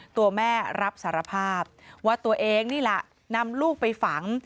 ตัวแม่รับสารภาพว่าตัวเองนี่แหละนำลูกไปฝัง